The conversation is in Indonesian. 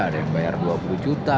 ada yang bayar dua puluh juta